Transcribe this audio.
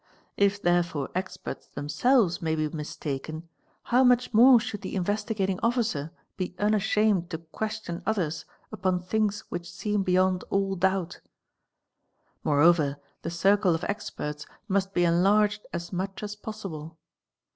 If therefore experts themselves may be mistaken how much more should | the Investigating Officer be unashained to question others upon things ' which seem beyond all doubt. Moreover the circle of experts must be enlarged as much as possible.